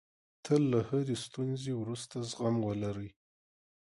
تل له هرې ستونزې وروسته زغم ولرئ.